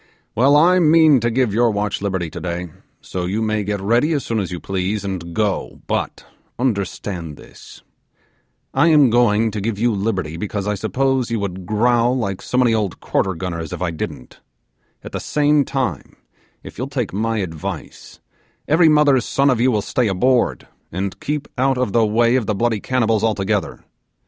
Well, I mean to give your watch liberty today, so you may get ready as soon all you please, and go; but understand this, I am going to give you liberty because I suppose you would growl like so many old quarter gunners if I didn't; at the same time, if you'll take my advice, every mother's son of you will stay aboard and keep out of the way of the bloody cannibals altogether.